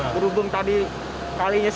berhubung tadi kalinya sekretaris